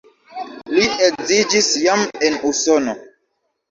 Li edziĝis jam en Usono.